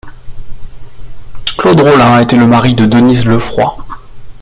Claude Rollin a été le mari de Denise Leufroi.